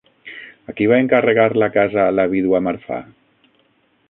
A qui va encarregar la casa la vídua Marfà?